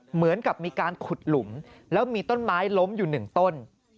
เหมือนกับมีการขุดหลุมแล้วมีต้นไม้ล้มอยู่หนึ่งต้น